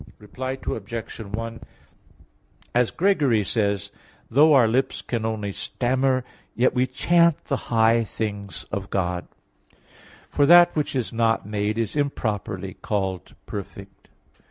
Reply Obj. 1: As Gregory says (Moral. v, 26,29): "Though our lips can only stammer, we yet chant the high things of God." For that which is not made is improperly called perfect.